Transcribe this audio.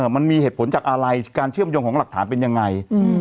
มันมีเหตุผลจากอะไรการเชื่อมโยงของหลักฐานเป็นยังไง